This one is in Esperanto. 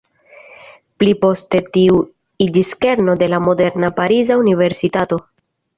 Pli poste tiu iĝis kerno de la moderna pariza universitato.